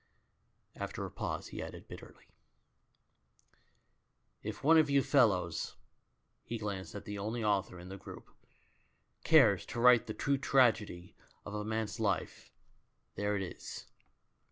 After a pause he added bitterly: "If one of you fellows" — he glanced at the only author in the group — "cares to write the true tragedy of a man's life, there it is.